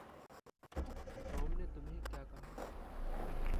Tom ने तुम्हें क्या कहा?